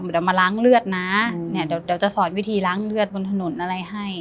เดี๋ยวมาล้างเลือดนะเนี่ยเดี๋ยวจะสอดวิธีล้างเลือดบนถนนอะไรให้